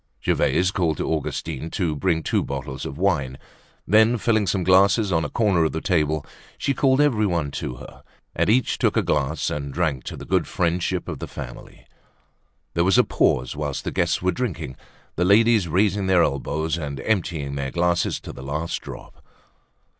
Gervaise called to Augustine to bring two bottles of wine. Then, filling some glasses on a corner of the table, she called everyone to her. And each took a glass and drank to the good friendship of the family. There was a pause whilst the guests were drinking, the ladies raising their elbows and emptying their glasses to the last drop.